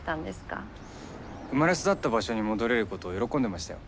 生まれ育った場所に戻れることを喜んでましたよ。